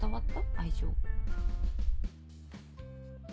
愛情。